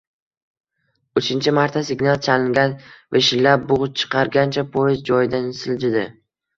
Uchinchi marta signal chalingach, vishillab bugʻ chiqargancha poyezd joyidan siljidi.